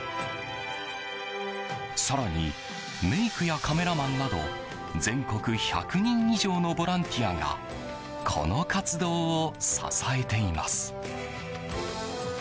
更に、メイクやカメラマンなど全国１００人以上のボランティアがこの活動を支えています。